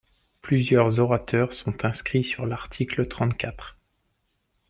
Plusieurs orateurs sont inscrits sur l’article trente-quatre.